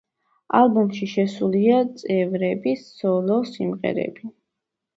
ალბომში შესულია წევრების სოლო სიმღერები.